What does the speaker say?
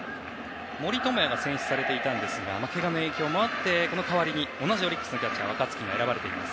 森友哉が選出されていましたがけがの影響もあってこの代わりに同じオリックスのキャッチャー若月が選ばれています。